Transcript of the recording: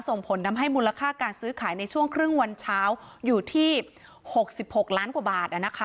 ส่งผลทำให้มูลค่าการซื้อขายในช่วงครึ่งวันเช้าอยู่ที่๖๖ล้านกว่าบาท